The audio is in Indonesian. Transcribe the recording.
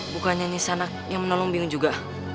bukannya nisanak yang menolong bing juga